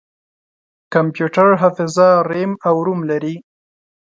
کمپیوټر حافظه رام او روم لري.